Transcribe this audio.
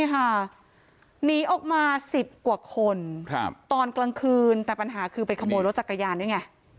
หนีออกมา๑๐กว่าคนตอนกลางคืนแต่ปัญหาคือไปขโมยรถจักรยานด้วยไง